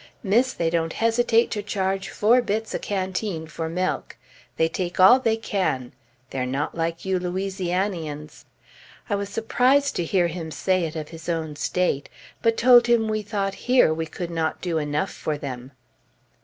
Miss, they don't hesitate to charge four bits a canteen for milk. They take all they can. They are not like you Louisianians." I was surprised to hear him say it of his own State, but told him we thought here we could not do enough for them.